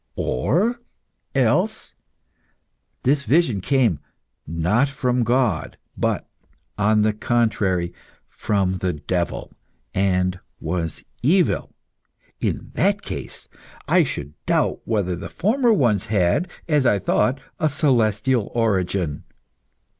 Or else this vision came, not from God, but, on the contrary, from the devil, and was evil. In that case I should doubt whether the former ones had, as I thought, a celestial origin.